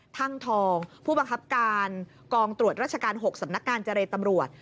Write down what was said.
ท่างทองผู้บังคับการกองตรวจราชการ๖สำนักงานเจรตำรวจ